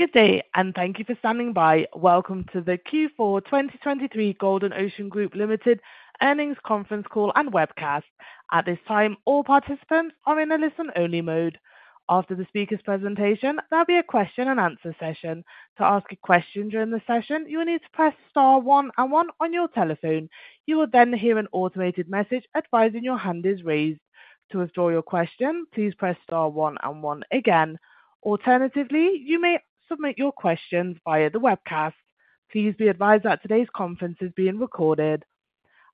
Good day, and thank you for standing by. Welcome to the Q4 2023 Golden Ocean Group Limited earnings conference call and webcast. At this time, all participants are in a listen-only mode. After the speaker's presentation, there'll be a question-and-answer session. To ask a question during the session, you will need to press star one and one on your telephone. You will then hear an automated message advising your hand is raised. To withdraw your question, please press star one and one again. Alternatively, you may submit your questions via the webcast. Please be advised that today's conference is being recorded.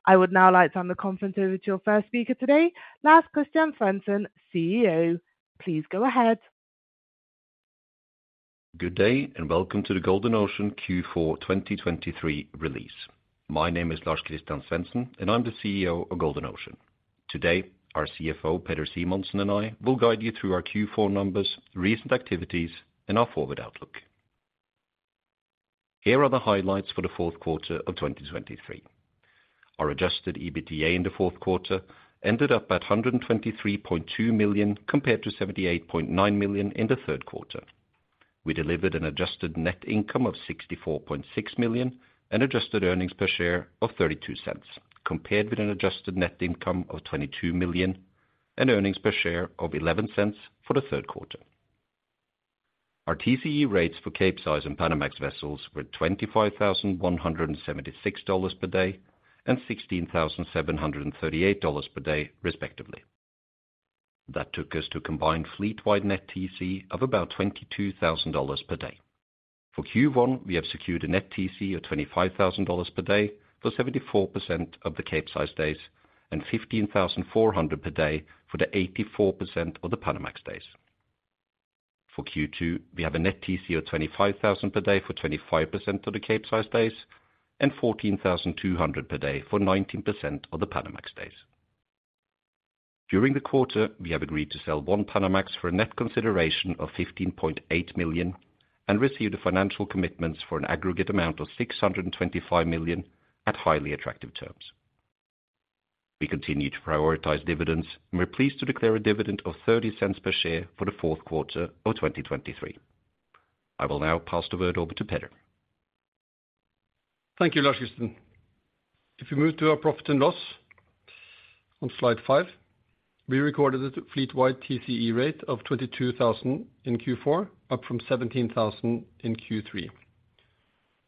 I would now like to hand the conference over to your first speaker today, Lars-Christian Svensen, CEO. Please go ahead. Good day and welcome to the Golden Ocean Q4 2023 release. My name is Lars-Christian Svensen, and I'm the CEO of Golden Ocean. Today, our CFO, Peder Simonsen, and I will guide you through our Q4 numbers, recent activities, and our forward outlook. Here are the highlights for the Q4 of 2023. Our adjusted EBITDA in the Q4 ended up at $123.2 million compared to $78.9 million in the Q3. We delivered an adjusted net income of $64.6 million and adjusted earnings per share of $0.32, compared with an adjusted net income of $22 million and earnings per share of $0.11 for the Q3. Our TCE rates for Capesize and Panamax vessels were $25,176 per day and $16,738 per day, respectively. That took us to a combined fleet-wide net TCE of about $22,000 per day. For Q1, we have secured a net TCE of $25,000 per day for 74% of the Capesize days and $15,400 per day for 84% of the Panamax days. For Q2, we have a net TCE of $25,000 per day for 25% of the Capesize days and $14,200 per day for 19% of the Panamax days. During the quarter, we have agreed to sell one Panamax for a net consideration of $15.8 million and received a financial commitment for an aggregate amount of $625 million at highly attractive terms. We continue to prioritize dividends, and we're pleased to declare a dividend of $0.30 per share for the Q4 of 2023. I will now pass the word over to Peder. Thank you, Lars-Christian. If we move to our profit and loss on slide five, we recorded a fleet-wide TCE rate of 22,000 in Q4, up from 17,000 in Q3.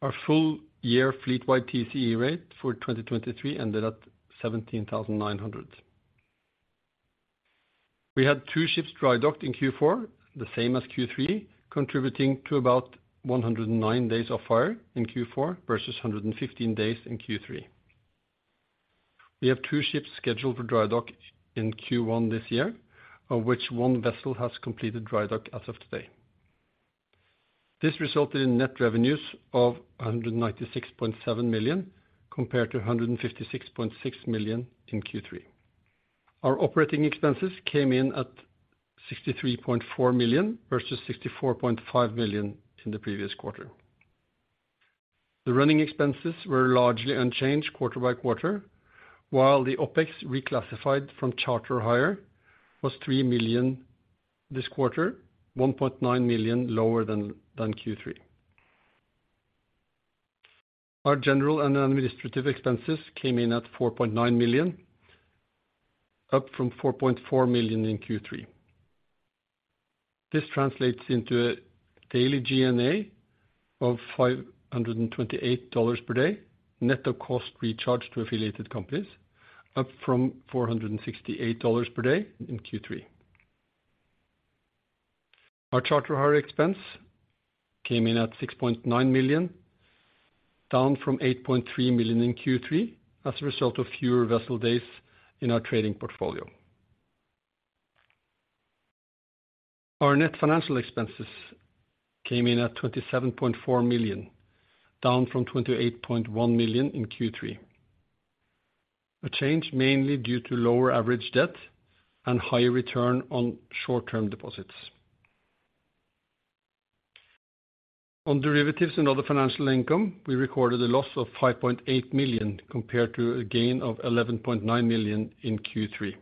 Our full-year fleet-wide TCE rate for 2023 ended at 17,900. We had two ships dry docked in Q4, the same as Q3, contributing to about 109 days off-hire in Q4 versus 115 days in Q3. We have two ships scheduled for dry dock in Q1 this year, of which one vessel has completed dry dock as of today. This resulted in net revenues of $196.7 million compared to $156.6 million in Q3. Our operating expenses came in at $63.4 million versus $64.5 million in the previous quarter. The running expenses were largely unchanged quarter by quarter, while the OPEX reclassified from charterhire was $3 million this quarter, $1.9 million lower than Q3. Our general and administrative expenses came in at $4.9 million, up from $4.4 million in Q3. This translates into a daily G&A of $528 per day, net of cost recharged to affiliated companies, up from $468 per day in Q3. Our charterhire expense came in at $6.9 million, down from $8.3 million in Q3 as a result of fewer vessel days in our trading portfolio. Our net financial expenses came in at $27.4 million, down from $28.1 million in Q3. A change mainly due to lower average debt and higher return on short-term deposits. On derivatives and other financial income, we recorded a loss of $5.8 million compared to a gain of $11.9 million in Q3.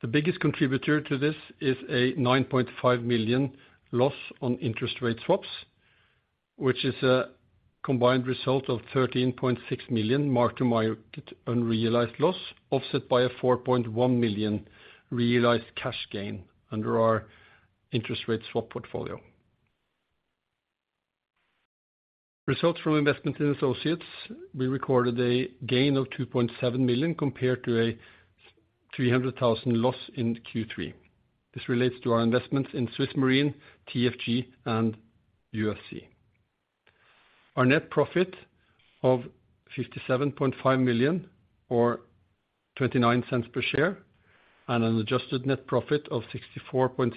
The biggest contributor to this is a $9.5 million loss on interest rate swaps, which is a combined result of $13.6 million mark-to-market unrealized loss offset by a $4.1 million realized cash gain under our interest rate swap portfolio. Results from investments in associates, we recorded a gain of $2.7 million compared to a $300,000 loss in Q3. This relates to our investments in Swiss Marine, TFG, and UFC. Our net profit of $57.5 million or $0.29 per share and an adjusted net profit of $64.6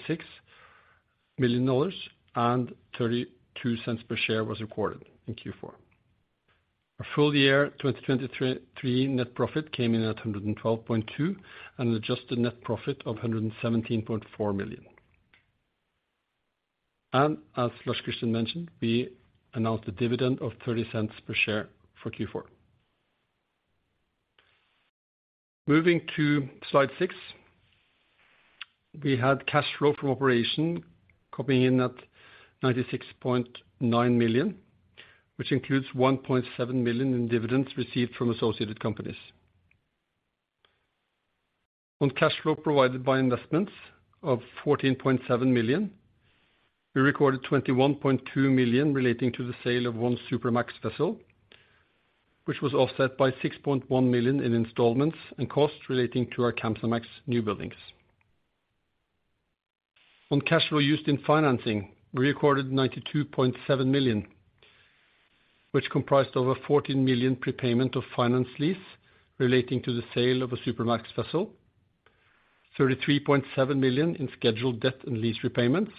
million and $0.32 per share was recorded in Q4. Our full-year 2023 net profit came in at $112.2 million and an adjusted net profit of $117.4 million. As Lars-Christian mentioned, we announced a dividend of $0.30 per share for Q4. Moving to slide six, we had cash flow from operations coming in at $96.9 million, which includes $1.7 million in dividends received from associated companies. On cash flow provided by investments of $14.7 million, we recorded $21.2 million relating to the sale of one Supramax vessel, which was offset by $6.1 million in installments and costs relating to our Kamsarmax new buildings. On cash flow used in financing, we recorded $92.7 million, which comprised over $14 million prepayment of finance lease relating to the sale of a Supramax vessel, $33.7 million in scheduled debt and lease repayments,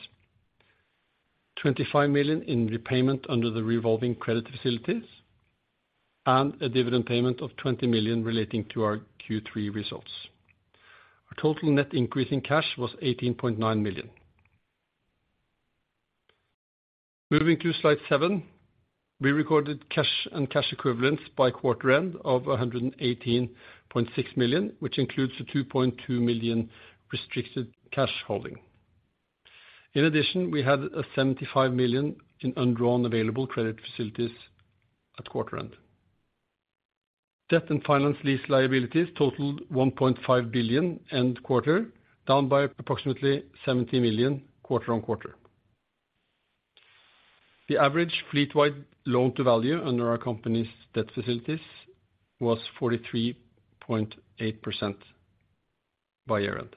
$25 million in repayment under the revolving credit facilities, and a dividend payment of $20 million relating to our Q3 results. Our total net increase in cash was $18.9 million. Moving to slide seven, we recorded cash and cash equivalents at quarter end of $118.6 million, which includes a $2.2 million restricted cash holding. In addition, we had $75 million in undrawn available credit facilities at quarter end. Debt and finance lease liabilities totaled $1.5 billion at quarter end, down by approximately $70 million quarter-over-quarter. The average fleet-wide loan-to-value under our company's debt facilities was 43.8% by year-end.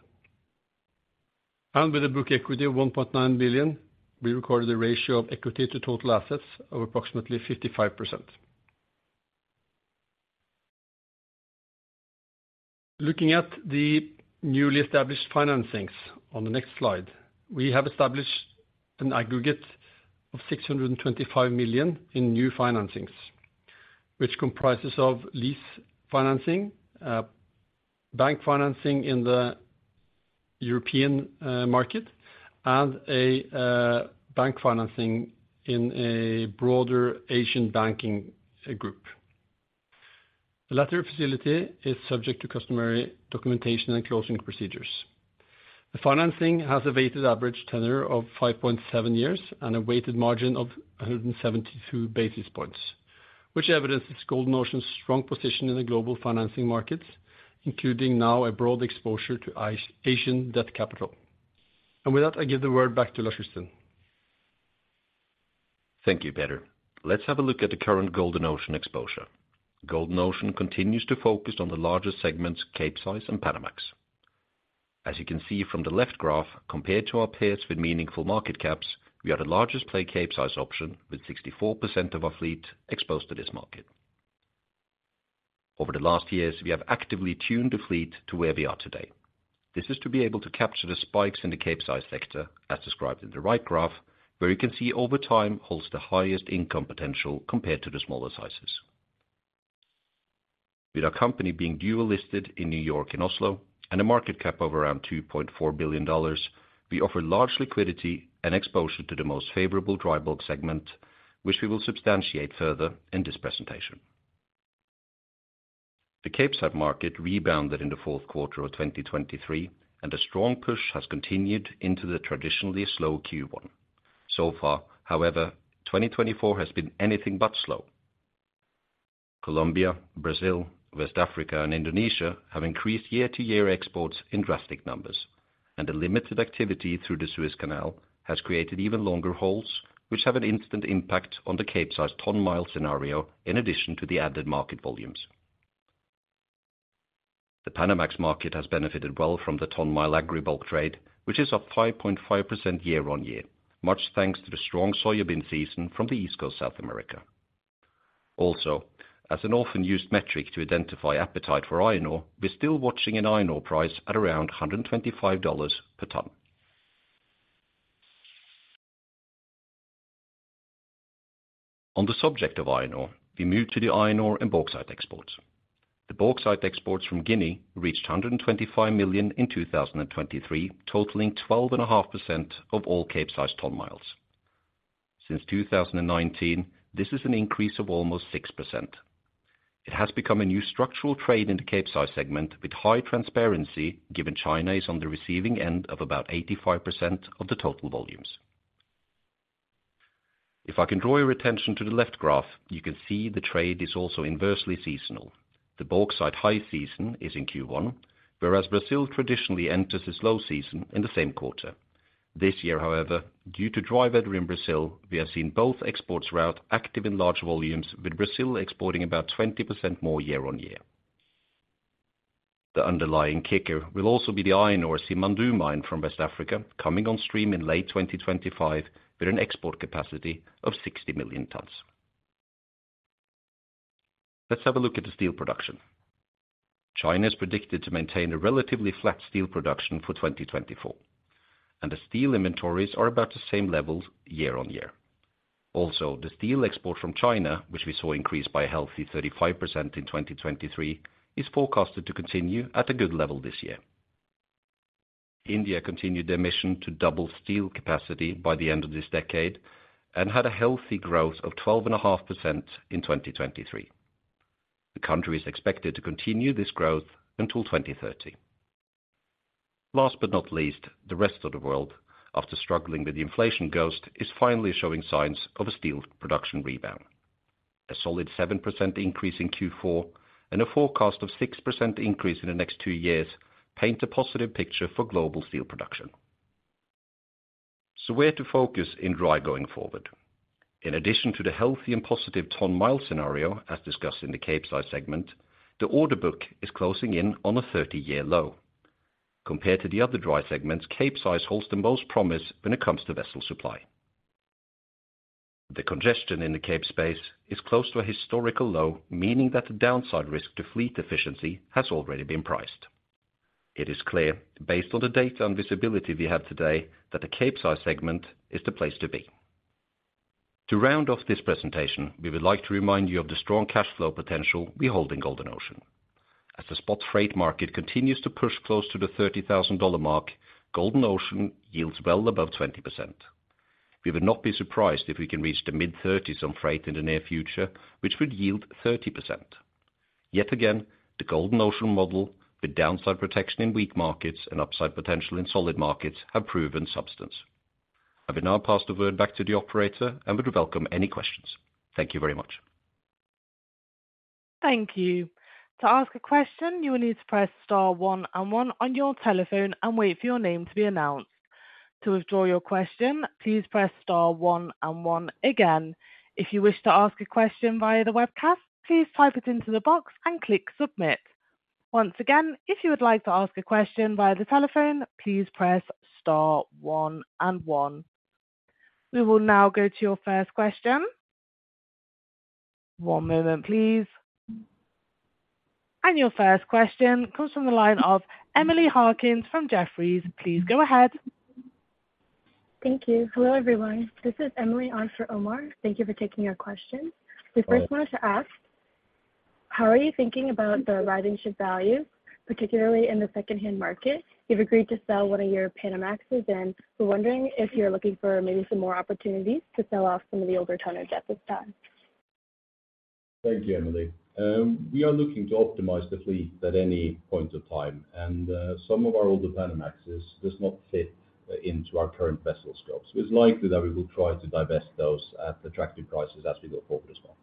And with a book equity of $1.9 billion, we recorded a ratio of equity to total assets of approximately 55%. Looking at the newly established financings on the next slide, we have established an aggregate of $625 million in new financings, which comprises lease financing, bank financing in the European market, and bank financing in a broader Asian banking group. The latter facility is subject to customary documentation and closing procedures. The financing has a weighted average tenure of 5.7 years and a weighted margin of 172 basis points, which evidences Golden Ocean's strong position in the global financing markets, including now a broad exposure to Asian debt capital. With that, I give the word back to Lars-Christian. Thank you, Peder. Let's have a look at the current Golden Ocean exposure. Golden Ocean continues to focus on the largest segments, Capesize and Panamax. As you can see from the left graph, compared to our peers with meaningful market caps, we are the largest play Capesize option with 64% of our fleet exposed to this market. Over the last years, we have actively tuned the fleet to where we are today. This is to be able to capture the spikes in the Capesize sector, as described in the right graph, where you can see over time holds the highest income potential compared to the smaller sizes. With our company being dual-listed in New York and Oslo and a market cap of around $2.4 billion, we offer large liquidity and exposure to the most favorable dry bulk segment, which we will substantiate further in this presentation. The Capesize market rebounded in the fourth quarter of 2023, and a strong push has continued into the traditionally slow Q1. So far, however, 2024 has been anything but slow. Colombia, Brazil, West Africa, and Indonesia have increased year-over-year exports in drastic numbers, and the limited activity through the Suez Canal has created even longer hauls, which have an instant impact on the Capesize ton-mile scenario in addition to the added market volumes. The Panamax market has benefited well from the ton-mile Agribulk trade, which is up 5.5% year-over-year, much thanks to the strong soybean season from the East Coast, South America. Also, as an often-used metric to identify appetite for iron ore, we're still watching an iron ore price at around $125 per ton. On the subject of iron ore, we move to the iron ore and bauxite exports. The bauxite exports from Guinea reached 125 million tons in 2023, totaling 12.5% of all Capesize ton-miles. Since 2019, this is an increase of almost 6%. It has become a new structural trade in the Capesize segment with high transparency given China is on the receiving end of about 85% of the total volumes. If I can draw your attention to the left graph, you can see the trade is also inversely seasonal. The bauxite high season is in Q1, whereas Brazil traditionally enters a slow season in the same quarter. This year, however, due to dry weather in Brazil, we have seen both export routes active in large volumes, with Brazil exporting about 20% more year-on-year. The underlying kicker will also be the iron ore Simandou mine from West Africa coming on stream in late 2025 with an export capacity of 60 million tons. Let's have a look at the steel production. China is predicted to maintain a relatively flat steel production for 2024, and the steel inventories are about the same level year-on-year. Also, the steel export from China, which we saw increase by a healthy 35% in 2023, is forecasted to continue at a good level this year. India continued their mission to double steel capacity by the end of this decade and had a healthy growth of 12.5% in 2023. The country is expected to continue this growth until 2030. Last but not least, the rest of the world, after struggling with the inflation ghost, is finally showing signs of a steel production rebound. A solid 7% increase in Q4 and a forecast of 6% increase in the next two years paint a positive picture for global steel production. So where to focus in dry going forward? In addition to the healthy and positive ton-mile scenario as discussed in the Capesize segment, the order book is closing in on a 30-year low. Compared to the other dry segments, Capesize holds the most promise when it comes to vessel supply. The congestion in the Capesize space is close to a historical low, meaning that the downside risk to fleet efficiency has already been priced. It is clear, based on the data and visibility we have today, that the Capesize segment is the place to be. To round off this presentation, we would like to remind you of the strong cash flow potential we hold in Golden Ocean. As the spot freight market continues to push close to the $30,000 mark, Golden Ocean yields well above 20%. We would not be surprised if we can reach the mid-30s on freight in the near future, which would yield 30%. Yet again, the Golden Ocean model, with downside protection in weak markets and upside potential in solid markets, have proven substance. I will now pass the word back to the operator and would welcome any questions. Thank you very much. Thank you. To ask a question, you will need to press star one and one on your telephone and wait for your name to be announced. To withdraw your question, please press star one and one again. If you wish to ask a question via the webcast, please type it into the box and click submit. Once again, if you would like to ask a question via the telephone, please press star one and one. We will now go to your first question. One moment, please. And your first question comes from the line of Emily Harkins from Jefferies. Please go ahead. Thank you. Hello, everyone. This is Emily Harkins. Thank you for taking our questions. We first wanted to ask, how are you thinking about the arriving ship values, particularly in the second-hand market? You've agreed to sell one of your Panamaxes, and we're wondering if you're looking for maybe some more opportunities to sell off some of the older tonners at this time. Thank you, Emily. We are looking to optimize the fleet at any point of time, and some of our older Panamaxes do not fit into our current vessel scopes. So it's likely that we will try to divest those at attractive prices as we go forward as well.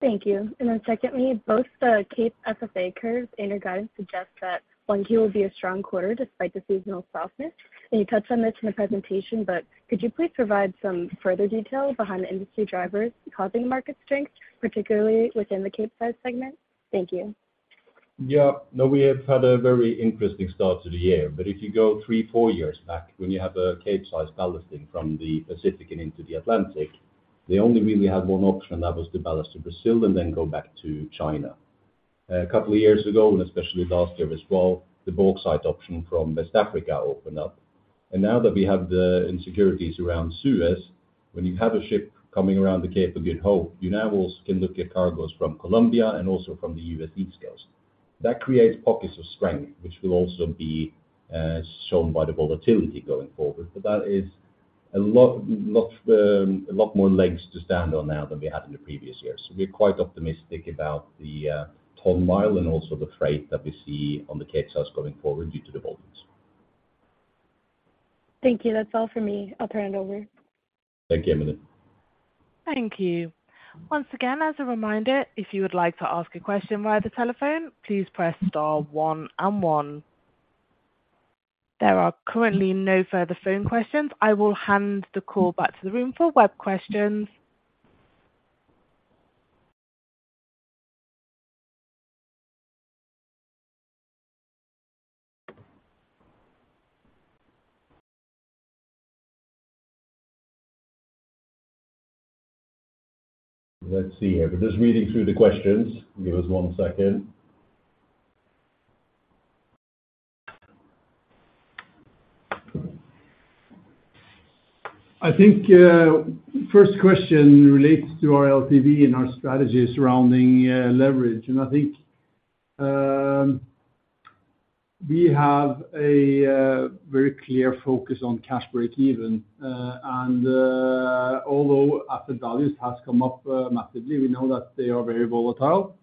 Thank you. And then secondly, both the Capesize FFA curves and your guidance suggest that 1Q will be a strong quarter despite the seasonal softness. And you touched on this in the presentation, but could you please provide some further detail behind the industry drivers causing the market strength, particularly within the Capesize segment? Thank you. Yeah. No, we have had a very interesting start to the year. But if you go 3-4 years back, when you have a Capesize ballasting from the Pacific and into the Atlantic, they only really had one option that was to ballast to Brazil and then go back to China. A couple of years ago, and especially last year as well, the bauxite option from West Africa opened up. And now that we have the insecurities around Suez, when you have a ship coming around the Cape of Good Hope, you now also can look at cargoes from Colombia and also from the US East Coast. That creates pockets of strength, which will also be shown by the volatility going forward. But that is a lot more legs to stand on now than we had in the previous years. We're quite optimistic about the ton-mile and also the freight that we see on the Capesize going forward due to the volumes. Thank you. That's all for me. I'll turn it over. Thank you, Emily. Thank you. Once again, as a reminder, if you would like to ask a question via the telephone, please press star one and one. There are currently no further phone questions. I will hand the call back to the room for web questions. Let's see here. We're just reading through the questions. Give us one second. I think first question relates to our LTV and our strategy surrounding leverage. I think we have a very clear focus on cash break-even. Although asset values have come up massively, we know that they are very volatile.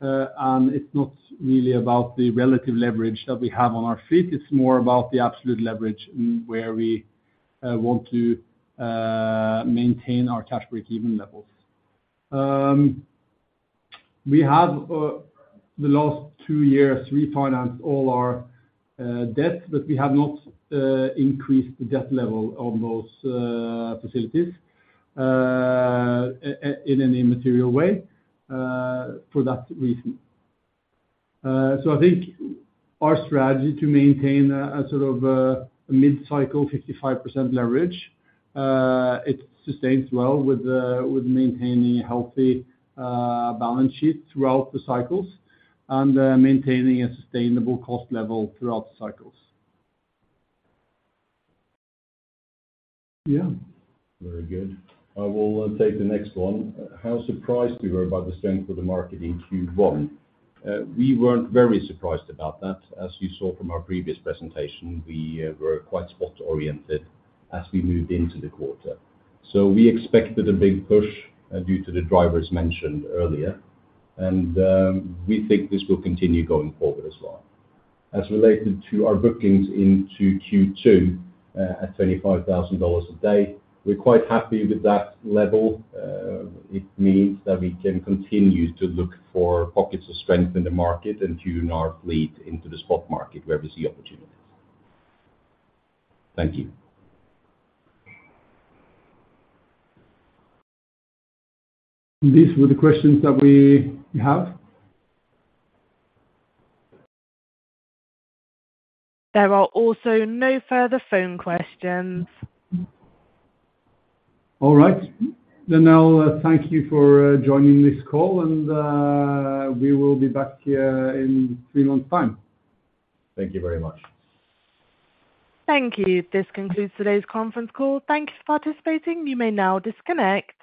It's not really about the relative leverage that we have on our fleet. It's more about the absolute leverage and where we want to maintain our cash break-even levels. We have, the last two years, refinanced all our debts, but we have not increased the debt level on those facilities in any material way for that reason. I think our strategy to maintain a sort of mid-cycle 55% leverage. It sustains well with maintaining a healthy balance sheet throughout the cycles and maintaining a sustainable cost level throughout the cycles. Yeah. Very good. I will take the next one. How surprised are you about the strength of the market in Q1? We weren't very surprised about that. As you saw from our previous presentation, we were quite spot-oriented as we moved into the quarter. So we expected a big push due to the drivers mentioned earlier. And we think this will continue going forward as well. As related to our bookings into Q2 at $25,000 a day, we're quite happy with that level. It means that we can continue to look for pockets of strength in the market and tune our fleet into the spot market where we see opportunities. Thank you. These were the questions that we have. There are also no further phone questions. All right. Then I'll thank you for joining this call, and we will be back here in three months' time. Thank you very much. Thank you. This concludes today's conference call. Thank you for participating. You may now disconnect.